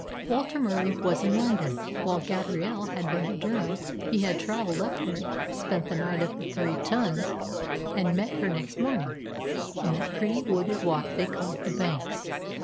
Walter Murie was in London. While Gabrielle had been at Durham he had travelled up there, spent the night at the "Three Tuns," and met her next morning in that pretty wooded walk they call "the Banks."